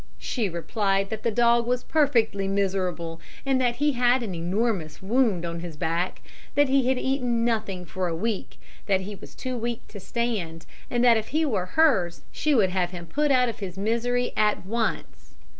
She replied that the dog was perfectly miserable, and that he had an enormous wound on his back, that he had eaten nothing for a week, that he was too weak to stand, and that if he were hers, she would have him put out of his misery at once.